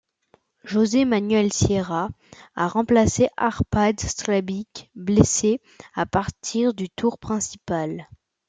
José Manuel Sierra a remplacé Arpad Sterbik, blessé, à partir du tour principal.